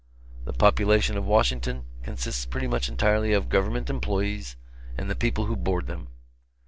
The population of Washington consists pretty much entirely of government employees and the people who board them.